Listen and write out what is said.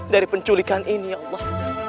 dari penculikan ini ya allah